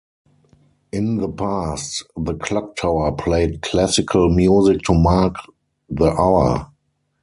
In the past, the clock tower played classical music to mark the hour.